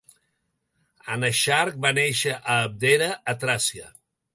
Anaxarc va néixer a Abdera, a Tràcia.